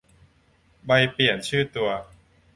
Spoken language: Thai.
ใบเปลี่ยนชื่อตัว